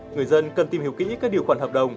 người dân cần tìm hiểu kỹ các điều khoản hợp đồng